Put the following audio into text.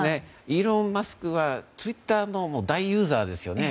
イーロン・マスクはツイッターの大ユーザーですよね。